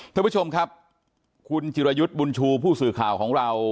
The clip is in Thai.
ท่านผู้ชมครับคุณจิรยุทธ์บุญชูผู้สื่อข่าวของเรา